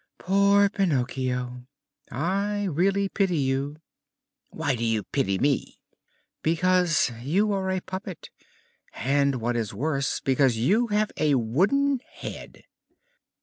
"Poor Pinocchio! I really pity you!" "Why do you pity me?" "Because you are a puppet and, what is worse, because you have a wooden head."